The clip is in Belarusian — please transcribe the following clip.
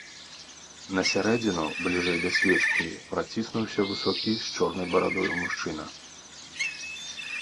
На сярэдзіну, бліжэй да свечкі, праціснуўся высокі з чорнаю барадою мужчына.